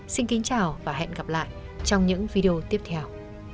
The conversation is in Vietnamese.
xin kính chào và hẹn gặp lại trong những video tiếp theo